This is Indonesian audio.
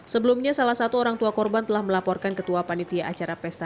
sebelumnya salah satu orang tua korban telah melaporkan ketua panitia acara pesta